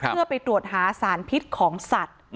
เพื่อไปตรวจหาสารพิษของสัตว์